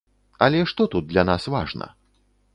Але што тут для нас важна?